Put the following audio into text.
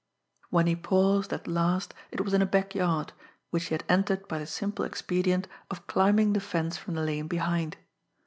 When he paused at last, it was in a backyard, which he had entered by the simple expedient of climbing the fence from the lane behind.